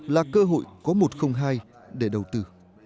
là cơ hội có một không hai để đầu tư